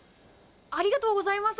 ありがとうございます。